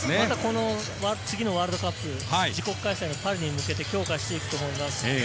次のワールドカップ、自国開催の大会に向けて強化していくと思います。